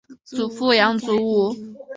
祖父杨祖武。